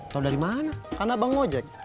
tau dari mana kan abang ocak